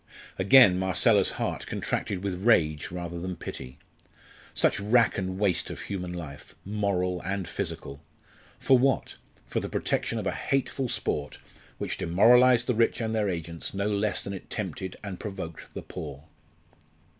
Again Marcella's heart contracted with rage rather than pity. Such wrack and waste of human life, moral and physical! for what? For the protection of a hateful sport which demoralised the rich and their agents, no less than it tempted and provoked the poor!